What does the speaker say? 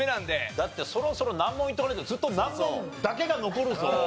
だってそろそろ難問いっておかないとずっと難問だけが残るぞ。